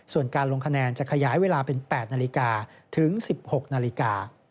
ส่วนการลงคะแนนจะขยายเวลาเป็น๘นาฬิกาถึง๑๖นาฬิกา